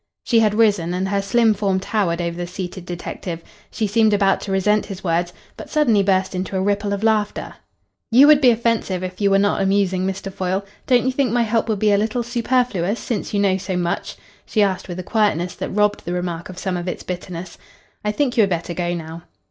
She had risen, and her slim form towered over the seated detective. She seemed about to resent his words, but suddenly burst into a ripple of laughter. "You would be offensive if you were not amusing, Mr. Foyle. Don't you think my help would be a little superfluous, since you know so much?" she asked with a quietness that robbed the remark of some of its bitterness. "I think you had better go now."